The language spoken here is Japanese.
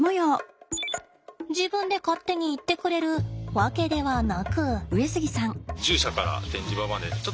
自分で勝手に行ってくれるわけではなく。